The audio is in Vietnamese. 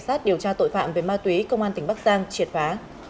cảnh sát điều tra tội phạm về ma túy công an tỉnh bắc giang triệt phá